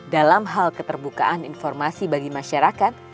dalam hal keterbukaan informasi bagi masyarakat